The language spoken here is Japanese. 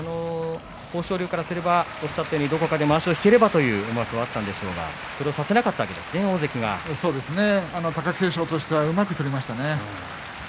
豊昇龍からすればどこかでまわしを引ければということがあったんでしょうがそれをさせなかったということ貴景勝とすればうまく取りましたね。